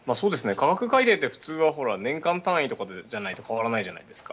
価格改定って年間単位じゃないと変わらないじゃないですか。